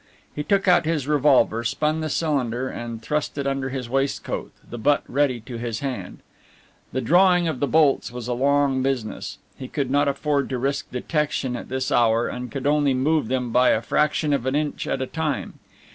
He took out his revolver, spun the cylinder and thrust it under his waistcoat, the butt ready to his hand. The drawing of the bolts was a long business. He could not afford to risk detection at this hour, and could only move them by a fraction of an inch at a time.